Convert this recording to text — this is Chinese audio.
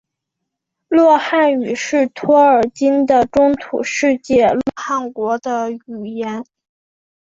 洛汗语是托尔金的中土世界洛汗国的语言。